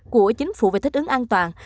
của chính phủ về thích ứng an toàn